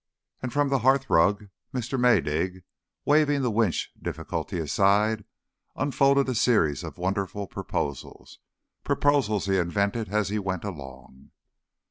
And from the hearthrug Mr. Maydig, waving the Winch difficulty aside, unfolded a series of wonderful proposals proposals he invented as he went along.